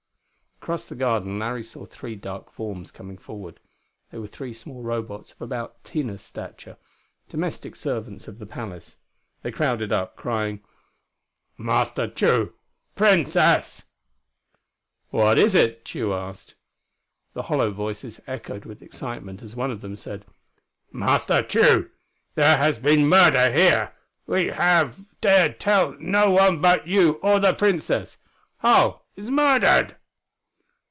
Across the garden Larry saw three dark forms coming forward. They were three small Robots of about Tina's stature domestic servants of the palace. They crowded up, crying: "Master Tugh! Princess!" "What is it?" Tugh asked. The hollow voices echoed with excitement as one of them said: "Master Tugh, there has been murder here! We have dared tell no one but you or the Princess. Harl is murdered!"